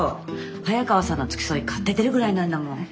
早川さんの付き添い買って出るぐらいなんだもん。